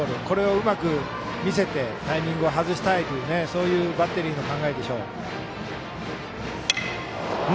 これをうまく見せてタイミングを外したいというバッテリーの考えでしょう。